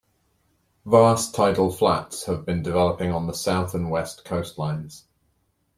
Vast tidal flats have been developing on the south and west coastlines.